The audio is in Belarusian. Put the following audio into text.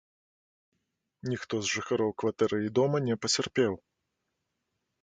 Ніхто з жыхароў кватэры і дома не пацярпеў.